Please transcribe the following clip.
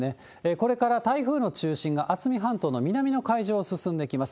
これから台風の中心が渥美半島の南の海上を進んできます。